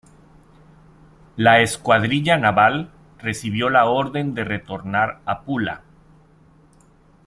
La escuadrilla naval recibió la orden de retornar a Pula.